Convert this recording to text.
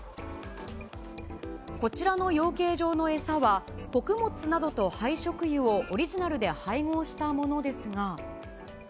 こちらの養鶏場の餌は、穀物などと廃食油をオリジナルで配合したものですが。